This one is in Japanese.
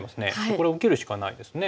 これを受けるしかないですね。